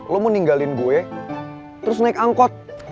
lo mau ninggalin gue terus naik angkot